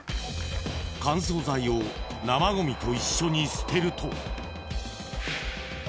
［乾燥剤を生ごみと一緒に捨てると］